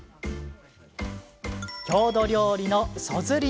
郷土料理そずり